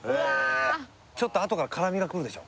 ちょっとあとから辛みがくるでしょ